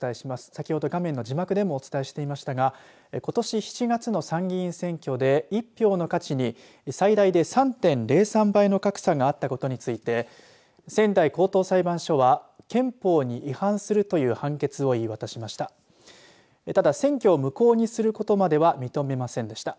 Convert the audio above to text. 先ほど画面の字幕でもお伝えしていましたがことし７月の参議院選挙で１票の価値に最大で３．０３倍の格差があったことについて仙台高等裁判所は憲法に違反するという判決を言い渡しました。